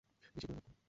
বেশি করে লাভ করো।